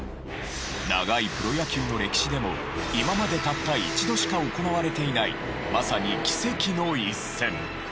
長いプロ野球の歴史でも今までたった一度しか行われていないまさに奇跡の一戦。